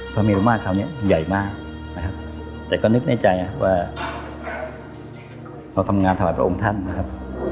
พระมีรมาตรคราวนี้ใหญ่มากแต่ก็นึกในใจว่าเราทำงานถามอาจารย์บริโภคท่าน